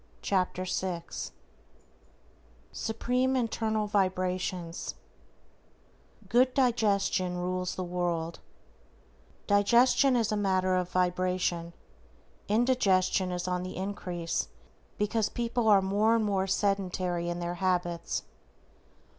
=Lesson Sixth SUPREME INTERNAL VIBRATIONS GOOD DIGESTION RULES THE WORLD=: Digestion is a matter of vibration. Indigestion is on the increase because people are more and more sedentary in their habits.